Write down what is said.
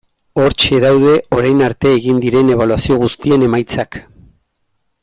Hortxe daude orain arte egin diren ebaluazio guztien emaitzak.